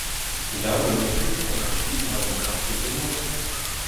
Laouen e vint gant ar pizza hag an tartezennoù ?